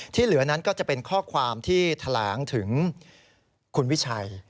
เหลือนั้นก็จะเป็นข้อความที่แถลงถึงคุณวิชัย